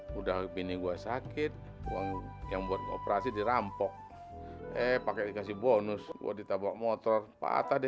babeng aku nggak mau pakai baju yang pakai itu agak trendy